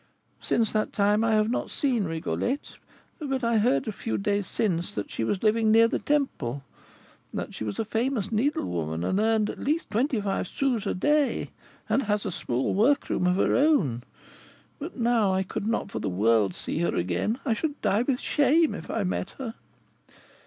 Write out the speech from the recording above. Since that time I have not seen Rigolette, but I heard a few days since that she was living near the Temple, that she was a famous needlewoman, and earned at least twenty five sous a day, and has a small workroom of her own; but now I could not for the world see her again, I should die with shame if I met her."